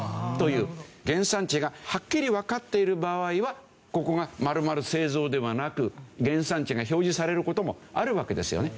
原産地がはっきりわかっている場合はここが○○製造ではなく原産地が表示される事もあるわけですよね。